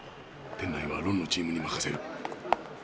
店内はロンのチームに任せる。